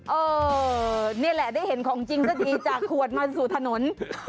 เออนี่แหละได้เห็นของจริงสักทีจากขวดมาสู่ถนน